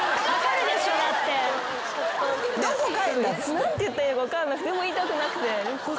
何て言ったらいいか分かんないでも言いたくなくて。